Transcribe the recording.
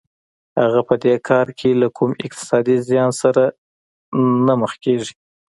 هغه په دې کار کې له کوم اقتصادي زیان سره نه مخ کېږي